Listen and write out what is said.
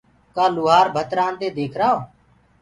ڪآ لوهآرو ڀت رآنددي ديکرآئو